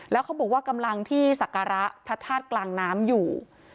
แล้วเขาบอกว่ากำลังที่ศักระพระธาตุกลางน้ำอยู่